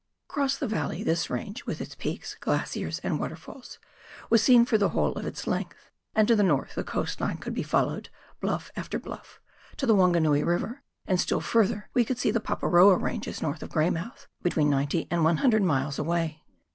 Across the valley this Range, with its peaks, glaciers, and waterfalls, was seen for its whole length, and to the north the coast line could be followed, bluff after bluff, to the Wanganui River, and still further we could see the Paparoa Ranges north of Greyraouth between ninety and a hundred miles away.